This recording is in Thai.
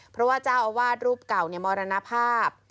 เพราะว่าเจ้าอาวาสรูปเก่ามรณภาพ